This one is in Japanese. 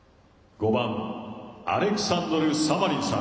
５番アレクサンドル・サマリンさん